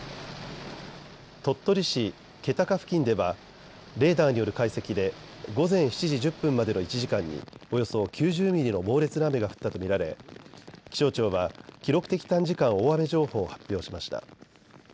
鳥取市気高付近ではレーダーによる解析で午前７時１０分までの１時間におよそ９０ミリの猛烈な雨が降ったと見られ気象庁は記録的短時間大雨情報を発表しました。